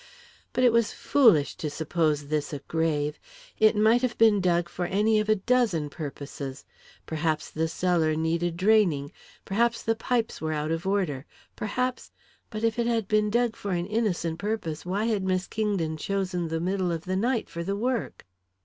But it was foolish to suppose this a grave! It might have been dug for any of a dozen purposes perhaps the cellar needed draining perhaps the pipes were out of order perhaps but if it had been dug for an innocent purpose why had Miss Kingdon chosen the middle of the night for the work?